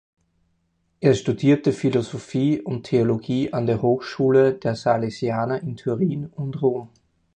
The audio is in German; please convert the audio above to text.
Er studierte Philosophie und Theologie an der Hochschule der Salesianer in Turin und Rom.